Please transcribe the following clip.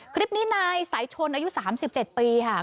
คลิปนี้นายสายชนอายุ๓๗ปีค่ะ